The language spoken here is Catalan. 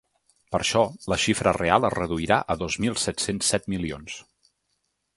Per això, la xifra real es reduirà a dos mil set-cents set milions.